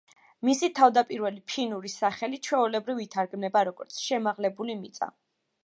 მისი თავდაპირველი ფინური სახელი ჩვეულებრივ ითარგმნება როგორც „შემაღლებული მიწა“.